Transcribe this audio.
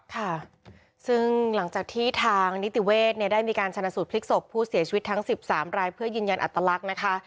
ค่ะซึ่งหลังจากที่ทางนิติเวศเนี่ยได้มีการชนะสูตรพลิกศพผู้เสียชีวิตทั้ง๑๓รายเพื่อยืนยันอัตลักษณ์นะคะ